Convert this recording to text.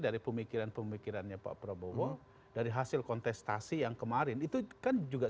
dari pemikiran pemikirannya pak prabowo dari hasil kontestasi yang kemarin itu kan juga